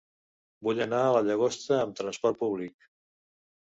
Vull anar a la Llagosta amb trasport públic.